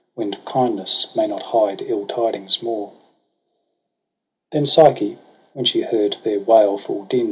When kindness may not hide ill tidings more. Then Psyche when she heard their waUM din.